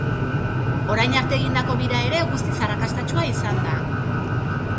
Orain arte egindako bira ere, guztiz arrakastatsua izan da.